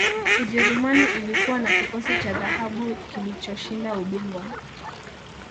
ujerumani ilikuwa na kikosi cha dhahabu kilichoshinda ubingwa